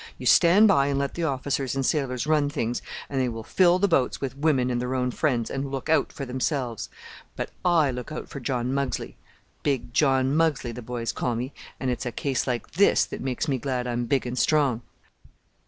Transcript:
You stand by and let the officers and sailors run things and they will fill the boats with women and their own friends and look out for themselves. But I look out for John Muggsley! Big John Muggsley the boys call me! And it's a case like this that makes me glad I'm big and strong."